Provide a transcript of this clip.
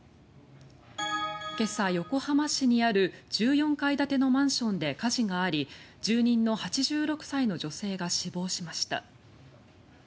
今朝、横浜市にある１４階建てのマンションで火事があり住人の８６歳の女性が死亡しました。